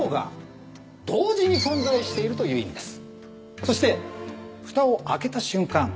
そして蓋を開けた瞬間